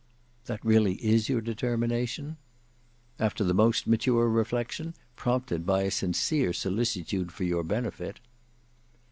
"That really is your determination?" "After the most mature reflection, prompted by a sincere solicitude for your benefit."